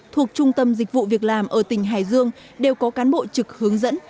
thuộc trung tâm dịch vụ việc làm ở tỉnh hải dương đều có cán bộ trực hướng dẫn